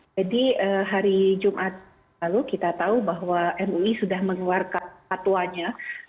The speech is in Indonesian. jadi hari jumat lalu kita tahu bahwa mui sudah mengeluarkan patuanya